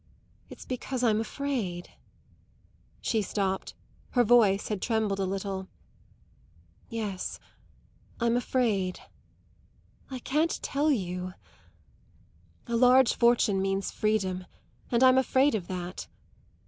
It's because I'm afraid." She stopped; her voice had trembled a little. "Yes, I'm afraid; I can't tell you. A large fortune means freedom, and I'm afraid of that.